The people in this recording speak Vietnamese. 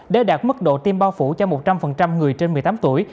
để đạt mức độ tiêm bao phủ cho một trăm linh người trên một mươi tám tuổi